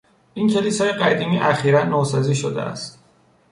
این کلیسای قدیمی اخیرا نوسازی شده است.